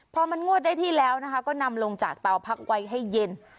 พอมันงวดได้ที่แล้วนะคะก็นำลงจากเตาพักไว้ให้เย็น